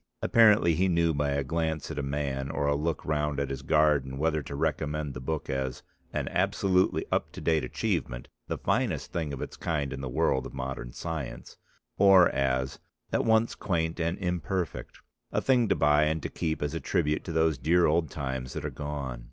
Apparently he knew by a glance at a man, or a look round at his garden, whether to recommend the book as "an absolutely up to date achievement, the finest thing of its kind in the world of modern science" or as "at once quaint and imperfect, a thing to buy and to keep as a tribute to those dear old times that are gone."